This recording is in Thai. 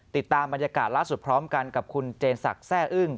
ติดตามบรรยากาศล่าสุดพร้อมกันกับคุณเจนศักดิ์แซ่อึ้ง